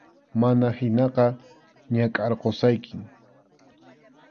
Mana hinaqa, nakʼarqusaykim.